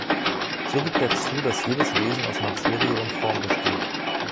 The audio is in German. So gibt er zu, dass jedes Wesen aus Materie und Form besteht.